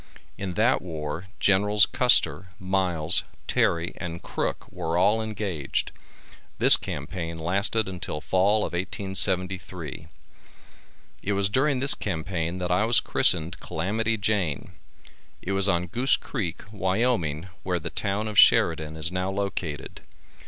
In that war Generals Custer, Miles, Terry and Crook were all engaged. This campaign lasted until fall of 1873. It was during this campaign that I was christened Calamity Jane. It was on Goose Creek, Wyoming, where the town of Sheridan is now located.